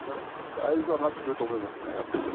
だいぶ上がってくると思いますね。